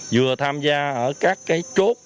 vừa tham gia ở các cái chốt